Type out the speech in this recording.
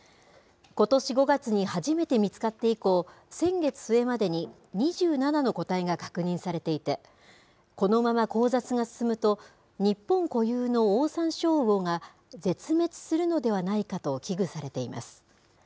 ことし５月に初めて見つかって以降、先月末までに２７の個体が確認されていて、このまま交雑が進むと、日本固有のオオサンショウウオが絶滅するのではないかと危惧されています。